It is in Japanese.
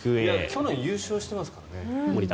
去年優勝していますからね。